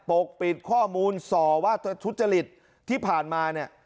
ปกปิดข้อมูลส่อว่าทุจริตที่ผ่านมาเนี่ย